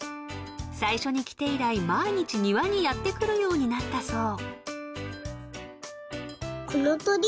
［最初に来て以来毎日庭にやって来るようになったそう］